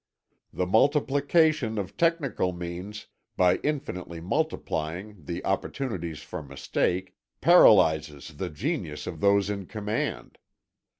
The multiplication of technical means, by infinitely multiplying the opportunities for mistake, paralyses the genius of those in command.